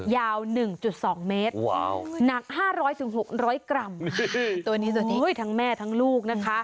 ยาว๑๒เมตรหนัก๕๐๐๖๐๐กรัมตัวนี้ตัวนี้ทั้งแม่ทั้งลูกนะคะ